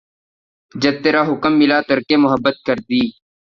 جب ترا حکم ملا ترک محبت کر دی